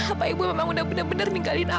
apa ibu memang udah bener bener tinggalin aku